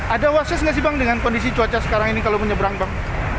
ada wasis nggak sih bang dengan kondisi cuaca sekarang ini kalau menyeberang bang